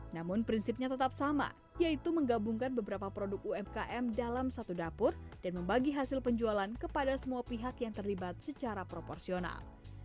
namun prinsipnya tetap sama yaitu menggabungkan beberapa produk umkm dalam satu dapur dan membagi hasil penjualan kepada semua pihak yang terlibat secara proporsional